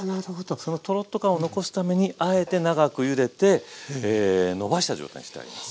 そのトロッと感を残すためにあえて長くゆでてのばした状態にしてあります。